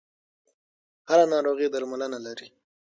هره ناروغي درملنه لري.